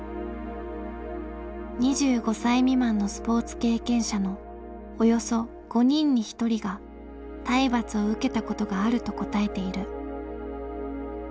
２５歳未満のスポーツ経験者のおよそ５人に１人が「体罰を受けたことがある」と答えている。